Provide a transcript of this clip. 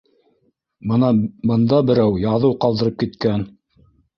Бына бында берәү яҙыу ҡалдырып киткән.